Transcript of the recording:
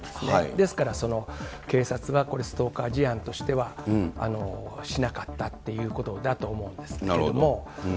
ですから、警察がこれ、ストーカー事案としてはしなかったっていうことだと思うんですけなるほど。